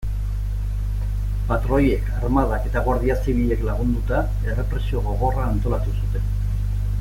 Patroiek, armadak eta Guardia Zibilek lagunduta, errepresio gogorra antolatu zuten.